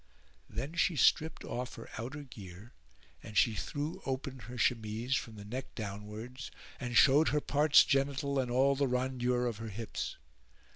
Then she stripped off her outer gear and she threw open her chemise from the neck downwards and showed her parts genital and all the rondure of her hips.